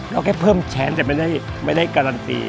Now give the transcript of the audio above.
เราแค่เพิ่มแชทแต่ไม่ได้การันตี